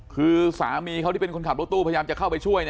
คือสามีเขาที่เป็นคนขับรถตู้พยายามจะเข้าไปช่วย